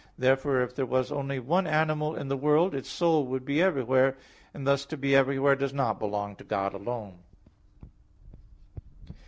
Therefore if there was only one animal in the world, its soul would be everywhere; and thus to be everywhere does not belong to God alone.